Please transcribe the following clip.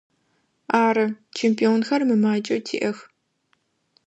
Ары, чемпионхэр мымакӏэу тиӏэх.